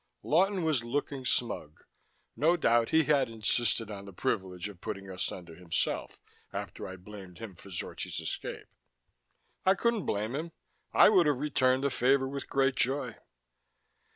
Lawton was looking smug; no doubt he had insisted on the privilege of putting us under himself after I'd blamed him for Zorchi's escape. I couldn't blame him; I would have returned the favor with great joy.